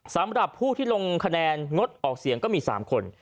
สำหรับผู้ที่ลงคะแนนงดออกเสียงก็มี๓คน